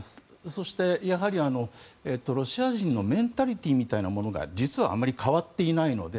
そして、やはりロシア人のメンタリティーみたいなものが実はあんまり変わっていないので。